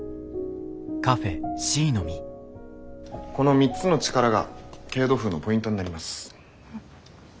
この３つの力が傾度風のポイントになります。